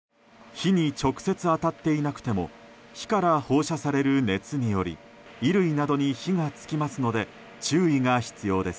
火に直接当たっていなくても火から放射される熱により衣類などに火が付きますので注意が必要です。